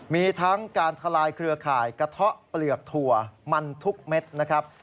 มีทั้งการทลายเครือข่ายกระเทาะเปลือกถั่วมันทุกเม็ดนะครับ